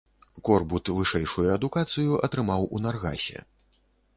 Корбут вышэйшую адукацыю атрымаў у наргасе.